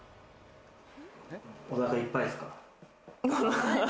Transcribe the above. お腹いっぱいですか？